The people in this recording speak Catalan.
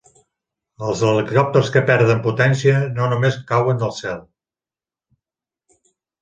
Els helicòpters que perden potència no només cauen del cel.